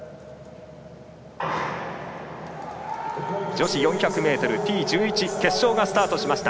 女子４００ｍＴ１１決勝がスタートしました。